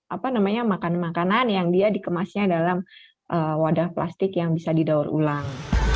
apa namanya makanan makanan yang dia dikemasnya dalam wadah plastik yang bisa didaur ulang